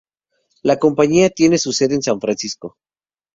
La compañía tiene su sede en San Francisco.